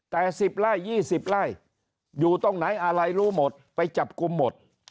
แต่๑๐ไร่๒๐ไร่อยู่ตรงไหนอะไรรู้หมดไปจับกลุ่มหมด